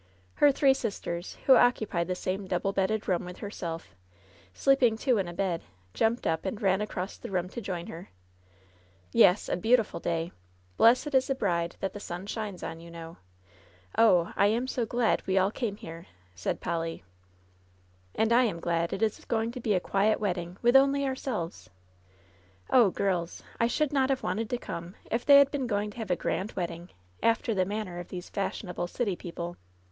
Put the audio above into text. Her three sisters, who occupied the same double bedded room with herself, sleeping two in a bed, jumped up and ran across the room to join her. '^ Yes, a beautiful day ! ^Blessed is the bride that the sun shines on,' you know. Oh! I am so glad we all came here f' said Polly. "And I am glad it is going to be a quiet wedding, with only ourselves. Oh, girls ! I should not have wanted to come if they had been going to have a grand wedding, after the manner of these fashionable city people.